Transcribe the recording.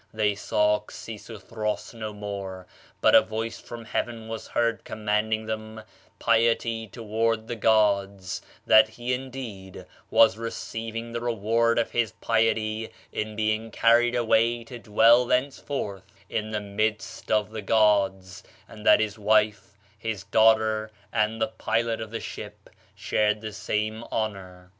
They saw Xisuthros no more; but a voice from heaven was heard commanding them piety toward the gods; that he, indeed, was receiving the reward of his piety in being carried away to dwell thenceforth in the midst of the gods, and that his wife, his daughter, and the pilot of the ship shared the same honor.